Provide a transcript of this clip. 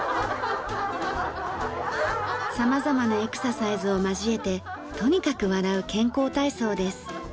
様々なエクササイズを交えてとにかく笑う健康体操です。